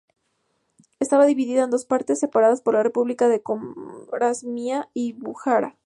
Estaba dividida en dos partes, separadas por las repúblicas de Corasmia y Bujará.